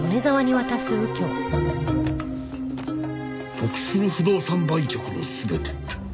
『トクする不動産売却のすべて』って。